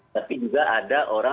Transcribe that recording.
tapi juga ada orang